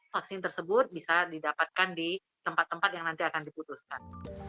vaksin tersebut bisa didapatkan di tempat tempat yang nanti akan diputuskan